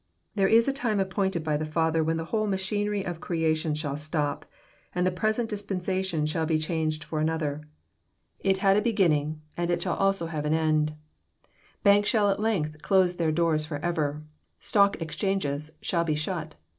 There is a time ap pointed by the Father when the whole machinery of crea* tion shall stop, and the present dispensation shall be changed for another. It had a beginning, and it shall also JOHN, CHAP. XIZ. 373 have an end. Banks shall at length close their doors for* ever. Stock exchanges shall be shut.